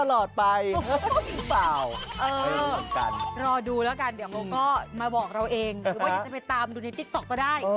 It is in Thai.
หรือว่าอยากจะไปตามดูในติ๊กต๊อกก็ได้